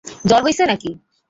জ্বর হইসে নাকি?